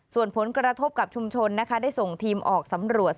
ส่วนผลกระทบกับชุมชนนะคะได้ส่งทีมออกสำรวจ